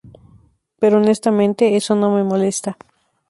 Pero, honestamente, eso no me molesta.